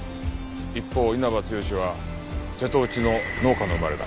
一方稲葉剛は瀬戸内の農家の生まれだ。